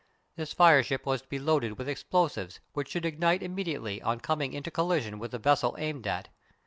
This fireship was to be loaded with explosives which should ignite immediately on coming into collision with the vessel aimed at.